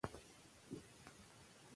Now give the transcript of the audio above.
ستوني غرونه د افغانستان د زرغونتیا نښه ده.